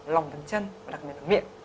lòng bàn chân và đặc biệt là miệng